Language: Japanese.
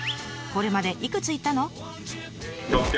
これまでいくつ行ったの？